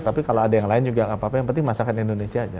tapi kalau ada yang lain juga nggak apa apa yang penting masakan indonesia aja